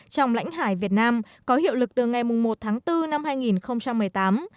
trong lãnh hải việt nam có hiệu lực từ ngày một tháng bốn năm hai nghìn một mươi tám